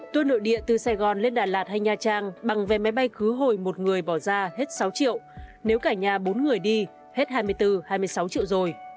tuôn nội địa từ sài gòn lên đà lạt hay nha trang bằng vé máy bay cứ hồi một người bỏ ra hết sáu triệu nếu cả nhà bốn người đi hết hai mươi bốn hai mươi sáu triệu rồi